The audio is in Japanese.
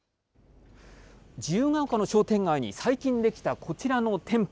自由が丘の商店街に、最近出来たこちらの店舗。